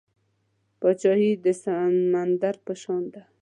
پاچاهي د سمندر په شان ده .